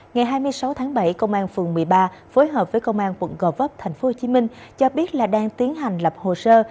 ngày hai mươi sáu tháng bảy công an phường một mươi ba phối hợp với công an quận gò vấp tp hcm cho biết là đang tiến hành lập hồ sơ